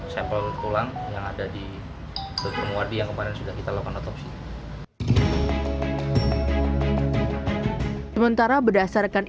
sampel tulang yang ada di dokter muadi yang kemarin sudah kita lakukan otopsi sementara berdasarkan